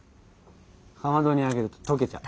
かまどにあげるととけちゃう。